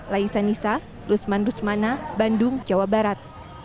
laisa nisa rusman rusmana bandung jawa barat